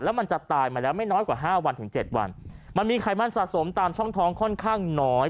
แล้วมันจะตายมาแล้วไม่น้อยกว่าห้าวันถึงเจ็ดวันมันมีไขมันสะสมตามช่องท้องค่อนข้างน้อย